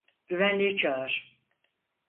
Güvenliği çağır.